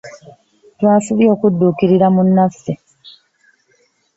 Twafubye okudukirira munaffe.